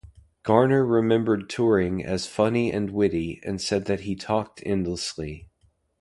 Garner remembered Turing as "funny and witty" and said that he "talked endlessly".